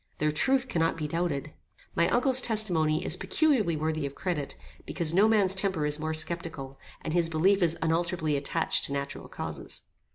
Their truth cannot be doubted. My uncle's testimony is peculiarly worthy of credit, because no man's temper is more sceptical, and his belief is unalterably attached to natural causes.